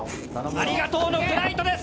ありがとうのフライトです！